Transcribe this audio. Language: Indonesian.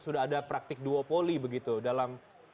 sudah ada praktik duopoli begitu dalam